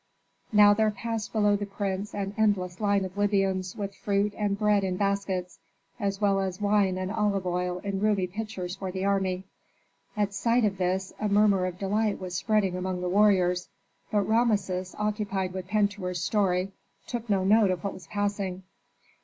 Now there passed below the prince an endless line of Libyans with fruit and bread in baskets, as well as wine and olive oil in roomy pitchers for the army. At sight of this a murmur of delight was spread among the warriors, but Rameses, occupied with Pentuer's story, took no note of what was passing.